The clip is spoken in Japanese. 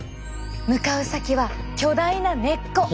向かう先は巨大な根っこ。